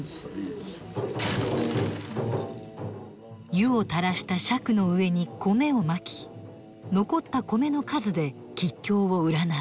湯をたらした笏の上に米をまき残った米の数で吉凶を占う。